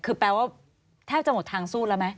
คือแปลว่าแทบจะหมดทางสู้แล้วไหม